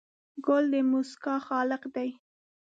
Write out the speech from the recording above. ګل د موسکا خالق دی.